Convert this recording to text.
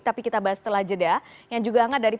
tapi kita bahas setelah jeda